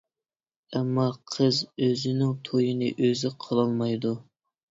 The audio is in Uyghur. ئەمما قىز ئۆزىنىڭ تويىنى ئۆزى قىلالمايدۇ.